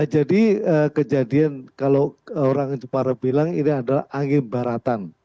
jadi kejadian kalau orang jepara bilang ini adalah angin baratan